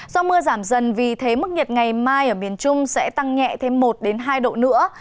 do mưa giảm dần vì thế mức nhiệt ngày mai ở miền trung sẽ tăng nhẹ thêm một hai độ nữa